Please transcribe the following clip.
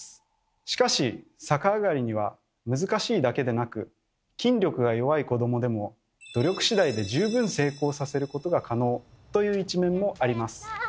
しかし逆上がりには難しいだけでなく筋力が弱い子どもでも努力次第で十分成功させることが可能という一面もあります。